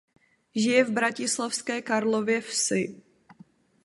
Žije v bratislavské Karlově Vsi.